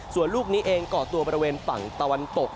ส่วนลูกนี้เองก่อตัวบริเวณฝั่งตะวันตก